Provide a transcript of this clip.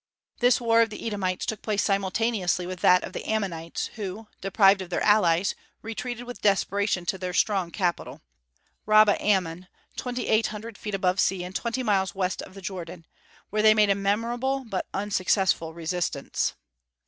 This war of the Edomites took place simultaneously with that of the Ammonites, who, deprived of their allies, retreated with desperation to their strong capital, Rabbah Ammon, twenty eight hundred feet above the sea, and twenty miles east of the Jordan, where they made a memorable but unsuccessful resistance.